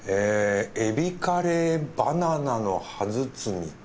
えびカレーバナナの葉包みと。